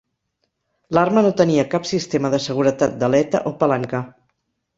L'arma no tenia cap sistema de seguretat d'aleta o palanca.